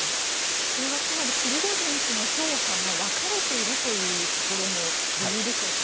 それはつまりプリゴジン氏の評価が分かれているというところも理由でしょうか。